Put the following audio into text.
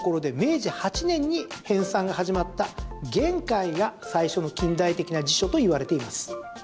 明治維新の頃で、明治８年に編さんが始まった「言海」が最初の近代的な辞書といわれています。